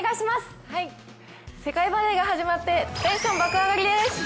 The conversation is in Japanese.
世界バレーが始まってテンション爆上がりです！